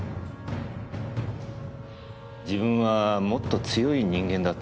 自分はもっと強い人間だと思ってた。